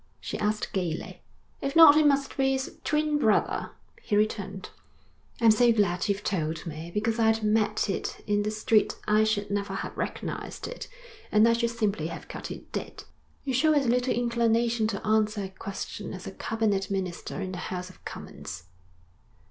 she asked gaily. 'If not it must be its twin brother,' he returned. 'I'm so glad you've told me, because if I'd met it in the street I should never have recognised it, and I should simply have cut it dead.' 'You show as little inclination to answer a question as a cabinet minister in the House of Commons.'